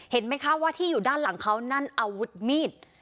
เห็นไหมคะว่าที่อยู่ด้านหลังเขานั่นอาวุธมีด